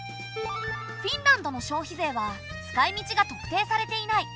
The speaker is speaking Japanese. フィンランドの消費税は使いみちが特定されていない。